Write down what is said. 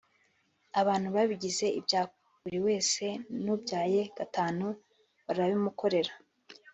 abantu babigize ibya buri wese n’ubyaye gatanu barabimukorera